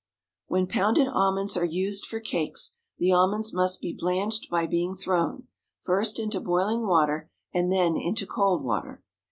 When pounded almonds are used for cakes, the almonds must be blanched by being thrown, first into boiling water, and then into cold water.